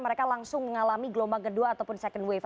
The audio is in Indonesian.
mereka langsung mengalami gelombang kedua ataupun second wave